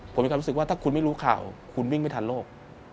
ผมมีความรู้สึกว่าถ้าคุณไม่รู้ข่าวคุณวิ่งไม่ทันโลก